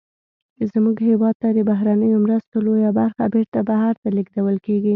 زمونږ هېواد ته د بهرنیو مرستو لویه برخه بیرته بهر ته لیږدول کیږي.